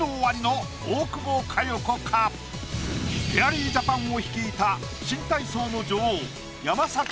フェアリージャパンを率いた新体操の女王。